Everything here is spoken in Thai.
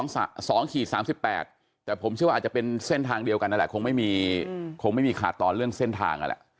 ๒ขีด๓๘แต่ผมเชื่อว่าอาจจะเป็นเส้นทางเดียวกันนั่นแหละคงไม่มีคงไม่มีขาดตอนเรื่องเส้นทางนั่นแหละ